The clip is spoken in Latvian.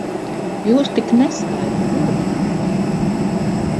Jūs tik neskaidri murmināt!